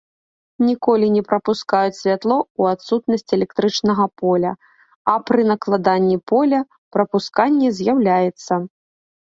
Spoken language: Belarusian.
Ніколі не прапускаюць святло ў адсутнасць электрычнага поля, а пры накладанні поля прапусканне з'яўляецца.